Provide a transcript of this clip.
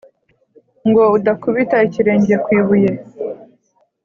Ngo udakubita ikirenge ku ibuye.